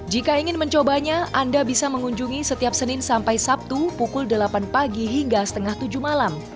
jika ingin mencobanya anda bisa mengunjungi setiap senin sampai sabtu pukul delapan pagi hingga setengah tujuh malam